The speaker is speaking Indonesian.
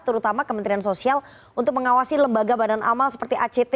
terutama kementerian sosial untuk mengawasi lembaga badan amal seperti act